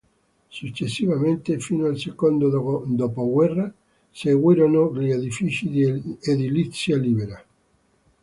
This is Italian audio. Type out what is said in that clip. Successivamente, fino al secondo dopoguerra, seguirono gli edifici di edilizia libera.